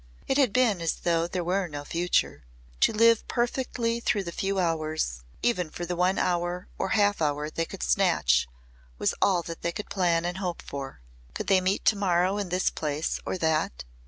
It had been as though there were no future. To live perfectly through the few hours even for the one hour or half hour they could snatch was all that they could plan and hope for. Could they meet to morrow in this place or that?